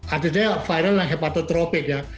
artinya viral adalah hepatotropic ya